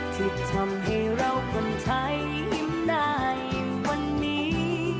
ที่ทำให้เราฝันไทยอิ่มได้อิ่มวันนี้